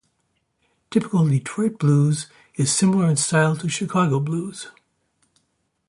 Typical Detroit blues is similar in style to Chicago blues.